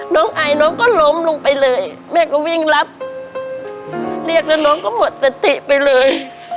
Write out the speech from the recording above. น้องไอน้องก็ล้มลงไปเลยแม่ก็วิ่งรับเรียกแล้วน้องก็หมดสติไปเลย